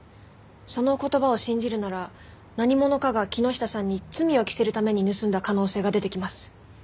その言葉を信じるなら何者かが木下さんに罪を着せるために盗んだ可能性が出てきます。